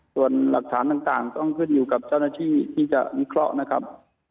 ส่วนหลักฐานต่างต้องขึ้นอยู่กับเจ้าหน้าที่ที่จะวิเคราะห์นะครับ